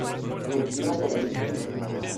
Producido por ellos mismos.